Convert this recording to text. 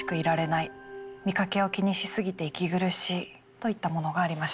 といったものがありました。